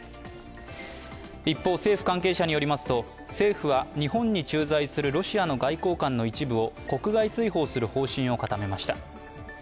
一方、政府関係者によりますと政府は日本に駐在するロシアの外交官の一部を国外追放する方針を固めました。